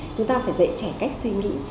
chúng ta phải dạy trẻ cách suy nghĩ